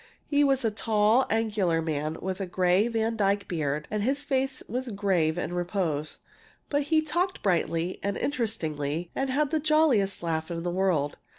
He was a tall, angular man with a gray, Vandyke beard, and his face was grave in repose. But he talked brightly and interestingly and had the jolliest laugh in the world.